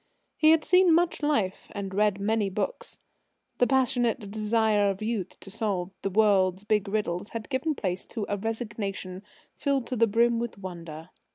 He had seen much life; had read many books. The passionate desire of youth to solve the world's big riddles had given place to a resignation filled to the brim with wonder.